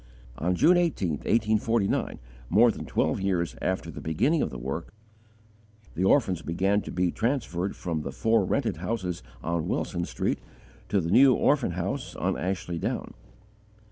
On June 18, 1849, more than twelve years after the beginning of the work, the orphans began to be transferred from the four rented houses on Wilson Street to the new orphan house on Ashley Down.